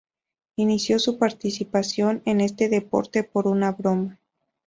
Inició su participación en este deporte por una broma.